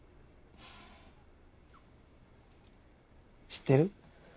知ってる？